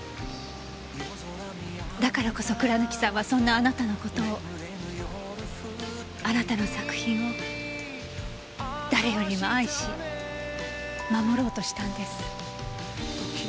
だからこそ倉貫さんはそんなあなたの事をあなたの作品を誰よりも愛し守ろうとしたんです。